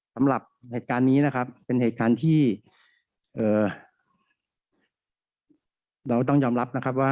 สำหรับเหตุการณ์นี้นะครับเป็นเหตุการณ์ที่เราต้องยอมรับนะครับว่า